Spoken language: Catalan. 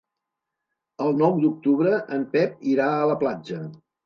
El nou d'octubre en Pep irà a la platja.